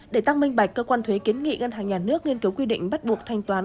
để tăng minh bạch cơ quan thuế kiến nghị ngân hàng nhà nước nghiên cứu quy định bắt buộc thanh toán